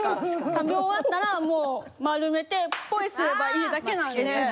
食べ終わったらもう丸めてポイすればいいだけなんで。